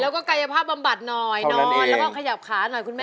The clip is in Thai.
แล้วก็กายภาพบำบัดหน่อยนอนแล้วก็ขยับขาหน่อยคุณแม่